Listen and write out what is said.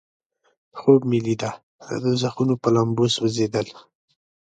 خوب مې لیده د دوزخونو په لمبو سوځیدل.